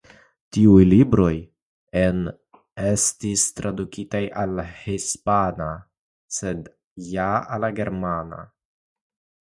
Tiuj libroj en estis tradukitaj al hispana sed ja al germana.